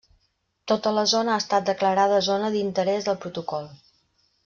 Tota la zona ha estat declarada zona d'interès del protocol.